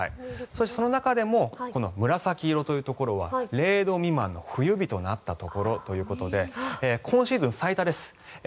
その中でも紫色というところは０度未満の冬日となったところで今シーズン最多です。